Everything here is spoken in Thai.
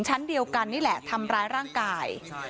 ชั้นเดียวกันนี่แหละทำร้ายร่างกาย